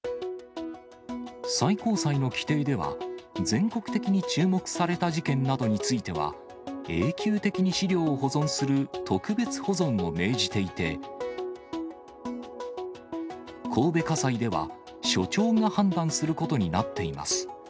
最高裁の規定では、全国的に注目された事件などについては、永久的に資料を保存する特別保存を命じていて、神戸家裁では、所長が判断することになっています。